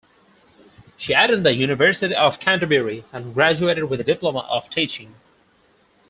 She attended the University of Canterbury and graduated with a Diploma of Teaching.